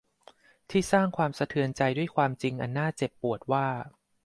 ที่สร้างความสะเทือนใจด้วยความจริงอันน่าเจ็บปวดว่า